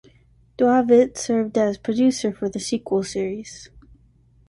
Duavit served as producer for the sequel series.